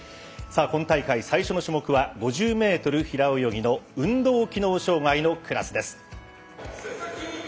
今大会最初の種目は５０ｍ平泳ぎの運動機能障がいのクラスです。